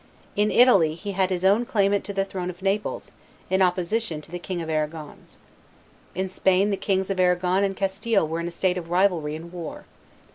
In Italy he had his own claimant to the throne of Naples in opposition to the King of Arragon's. In Spain the Kings of Arragon and of Castile were in a state of rivalry and war.